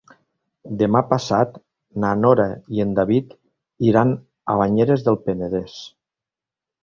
Demà passat na Nora i en David iran a Banyeres del Penedès.